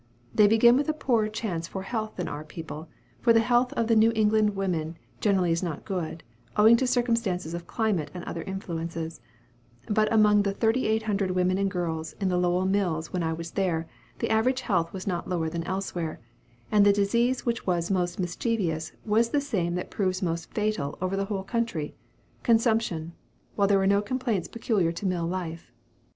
They begin with a poorer chance for health than our people; for the health of the New England women generally is not good, owing to circumstances of climate and other influences; but among the 3800 women and girls in the Lowell mills when I was there, the average of health was not lower than elsewhere; and the disease which was most mischievous was the same that proves most fatal over the whole country consumption; while there were no complaints peculiar to mill life.